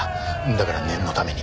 だから念のために。